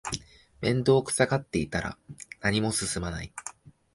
面倒くさがってたら何も進まない